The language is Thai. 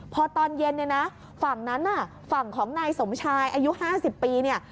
พอตอนเย็นเนี่ยนะฝั่งนั้นน่ะฝั่งของนายสมชายอายุ๕๐ปีเนี่ย